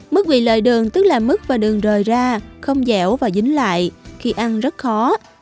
mức quỷ lợi đường tức là mức và đường rời ra không dẻo và dính lại khi ăn rất khó